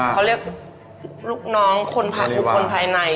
เขาเรียกลูกน้องคนผ่านคนภายใน